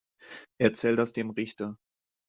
Erzähl das dem Richter.